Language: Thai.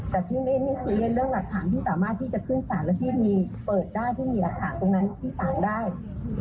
แต่พี่ไม่ซีเรียเรื่องหลักฐานที่สามารถที่จะขึ้นสารแล้วพี่มีเปิดได้พี่มีหลักฐานตรงนั้นที่สารได้